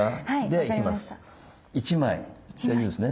ではいきます。